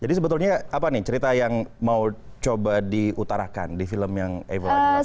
jadi sebetulnya apa nih cerita yang mau coba diutarakan di film yang i fall in love